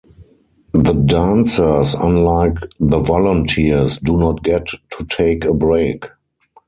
The dancers, unlike the volunteers, do not get to take a break.